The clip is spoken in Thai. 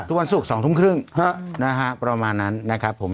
วันศุกร์๒ทุ่มครึ่งนะฮะประมาณนั้นนะครับผม